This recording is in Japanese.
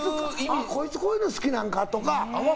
こいつ、こういうのが好きなんかとか。